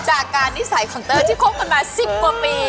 จากการิสัยของเตอร์ที่คบกันมาสิบกว่าปี